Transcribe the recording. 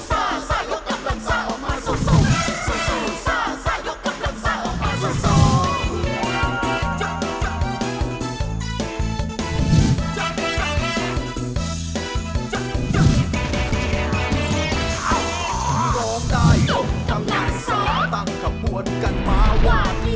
ร้องได้ยกกำลังซ่าตั้งขบวนกันภาวะ